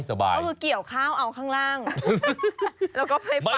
เอ้าก็เกี่ยวข้าวเอาข้างล่างแล้วก็ไปปัด